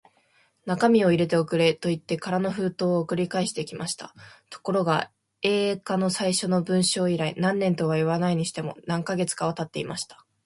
中身を入れて送れ、といって空の封筒を送り返してきました。ところが、Ａ 課の最初の文書以来、何年とはいわないにしても、何カ月かはたっていました。